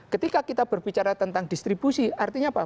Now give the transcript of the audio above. ketika kita berbicara tentang distribusi artinya apa